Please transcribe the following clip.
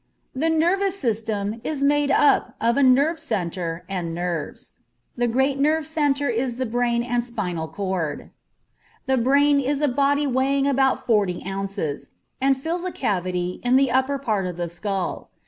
The nervous system is made up of a nerve centre and nerves. The great nerve centre is the Brain and Spinal Cord. The brain is a body weighing about forty ounces, and fills a cavity in the upper part of the skull.